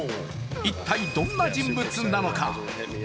一体、どんな人物なのか。